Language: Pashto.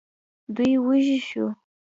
دوی وږي شوو.